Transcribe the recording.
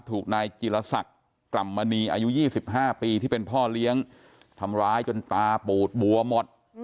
ถูกนายจิลศักดิ์กล่ำมณีอายุ๒๕ปีที่เป็นพ่อเลี้ยงทำร้ายจนตาปูดบัวหมด